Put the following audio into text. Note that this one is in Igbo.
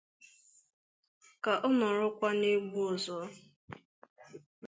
ka ọ nọrọkwa n'egwu ọzọ.